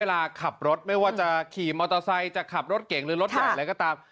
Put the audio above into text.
เวลาขับรถไม่ว่าจะขี่มอเตอร์ไซค์จะขับรถเก่งหรือรถใหญ่อะไรก็ตาม